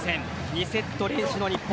２セット連取の日本